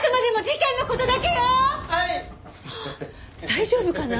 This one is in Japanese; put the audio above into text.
大丈夫かな？